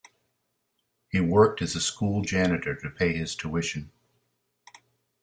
He worked as a school janitor to pay his tuition.